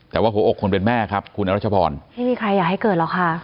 แต่ว่าหัวอกคนเป็นแม่ครับคุณอรัชพรไม่มีใครอยากให้เกิดหรอกค่ะ